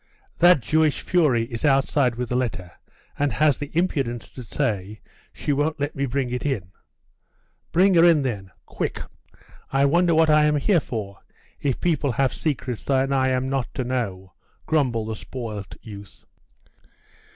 'That Jewish fury is outside with a letter, and has the impudence to say she won't let me bring it in!' 'Bring her in then. Quick!' 'I wonder what I am here for, if people have secrets that I am not to know,' grumbled the spoilt youth.